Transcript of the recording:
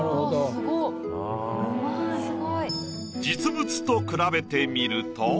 実物と比べてみると。